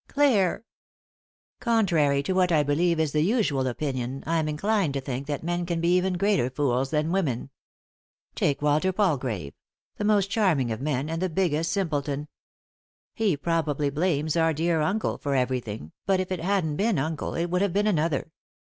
"Clare!" "Contrary to what, I believe, is the usual opinion, I'm inclined to think that men can be even greater fools that women. Take Walter Palgrave — the most charming of men, and the biggest simpleton. He probably blames our dear uncle for everything, but if it hadn't been uncle, it would have been another.